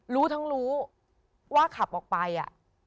รู้ทั้งรู้ว่าขับออกไปอ่ะ